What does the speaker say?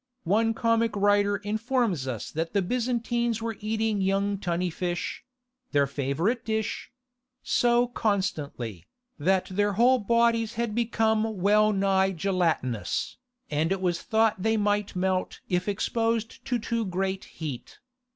One comic writer informs us that the Byzantines were eating young tunny fish—their favourite dish—so constantly, that their whole bodies had become well nigh gelatinous, and it was thought they might melt if exposed to too great heat!